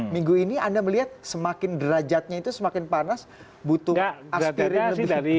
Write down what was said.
minggu ini anda melihat semakin derajatnya itu semakin panas butuh aspirin lebih